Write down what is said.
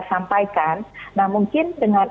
sampaikan nah mungkin dengan